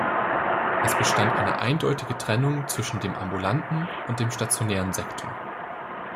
Es bestand eine eindeutige Trennung zwischen dem ambulanten und dem stationären Sektor.